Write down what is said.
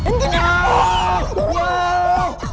ntarik gue ke dalam ruangan mayat